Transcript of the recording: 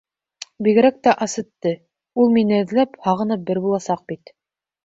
Бигерәк тә Асетте, ул мине эҙләп, һағынып бер буласаҡ бит.